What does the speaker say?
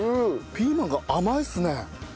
ピーマンが甘いっすね。